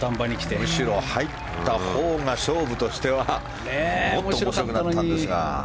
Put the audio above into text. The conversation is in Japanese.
むしろ入ったほうが勝負としてはもっと面白くなったんですが。